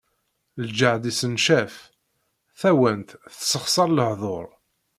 Lǧehd issencaf, tawant tessexsaṛ lehduṛ.